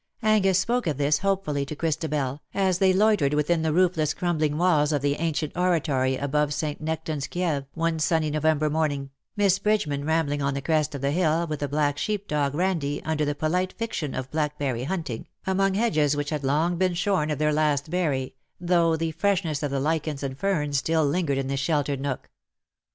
Angus spoke of this^ hopefully, to Christabel, as they loitered within the roofless crumbling walls of the ancient oratory above St. Nectan^s Kieve^ one sunny November morning, Miss Bridgeman rambling on the crest of the hill, with the black sheep dog, Randie, under the polite fiction of blackberry hunting, among hedges which had long been shorn of their last berry, though the freshness of the lichens and ferns still lingered in this sheltered nook.